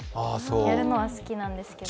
やるのは好きなんですけど。